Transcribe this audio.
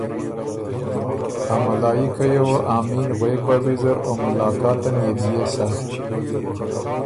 ا ملایِکئ یه وه آمین غوېک بَۀ ویزر او ملاقاتن يې بيې سَۀ۔